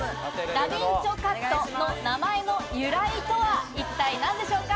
駄敏丁カットの名前の由来とは一体何でしょうか？